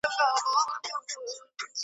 نور به نه ملوک سم نه د اوسپني څپلۍ لرم .